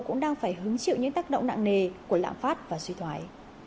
cũng đang phải hứng chịu những tác động nặng nề của lạm phát và suy thoái